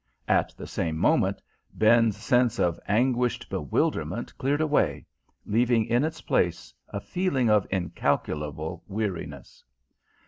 At the same moment, Ben's sense of anguished bewilderment cleared away, leaving in its place a feeling of incalculable weariness.